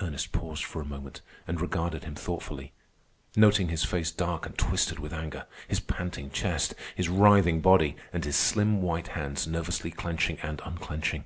Ernest paused for a moment and regarded him thoughtfully, noting his face dark and twisted with anger, his panting chest, his writhing body, and his slim white hands nervously clenching and unclenching.